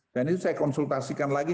dan itu saya konsultasikan lagi